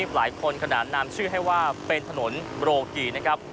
หลายคนขนานนามชื่อให้ว่าเป็นถนนโรกีนะครับ